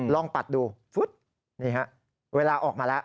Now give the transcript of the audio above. ลองปัดดูนี่ครับเวลาออกมาแล้ว